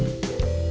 kamu atur aja